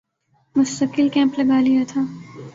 مستقل کیمپ لگا لیا تھا